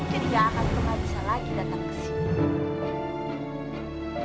jadi gak akan pernah bisa lagi datang ke sini